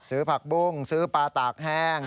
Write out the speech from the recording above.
ซื้อผักบุ้งซื้อปลาตากแห้ง